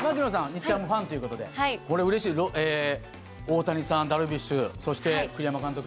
日ハムファンということでこれうれしい大谷さん、ダルビッシュそして、栗山監督。